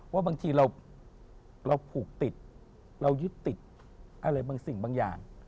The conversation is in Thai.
ว่าบางทีเราผูกติดเรายึดติดอะไรบางสิ่งบางอย่าง